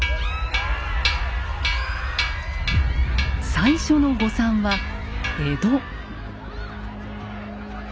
最初の誤算は江戸。